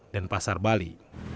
dan pasar bali